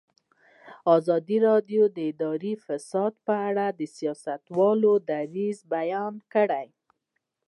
ازادي راډیو د اداري فساد په اړه د سیاستوالو دریځ بیان کړی.